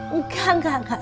enggak enggak enggak